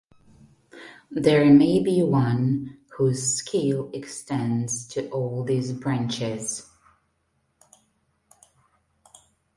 There may be one whose skill extends to all these branches.